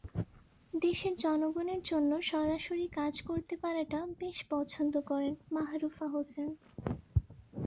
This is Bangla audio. দেশের জনগণের জন্য সরাসরি কাজ করতে পারাটা বেশ পছন্দ করেন মাহরুফা হোসেন।